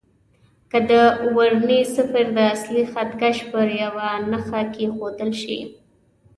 که د ورنيې صفر د اصلي خط کش پر یوه نښه کېښودل شي.